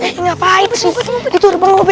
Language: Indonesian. eh ngapain sih itu udah peng obe